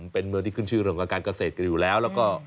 เป็นเมืองที่ขึ้นชื่อเรื่องของการเกษตรกันอยู่แล้วแล้วก็